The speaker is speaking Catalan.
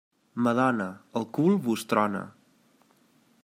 Madona, el cul vos trona.